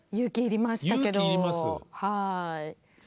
勇気要りましたけどはい。